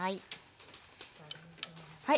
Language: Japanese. はい。